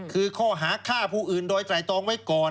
คือข้อหาฆ่าผู้อื่นโดยไตรตองไว้ก่อน